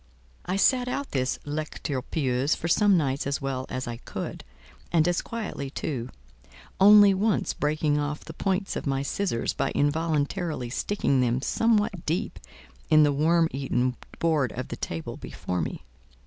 I sat out this "lecture pieuse" for some nights as well as I could, and as quietly too; only once breaking off the points of my scissors by involuntarily sticking them somewhat deep in the worm eaten board of the table before me.